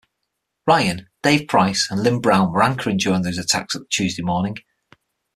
Ryan, Dave Price and Lyn Brown were anchoring during the attacks that Tuesday morning.